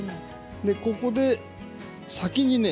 ここで先にね